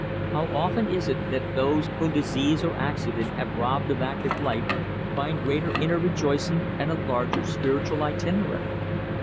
How often is it that those whom disease or accident has robbed of active life find greater inner rejoicing and a larger spiritual itinerary!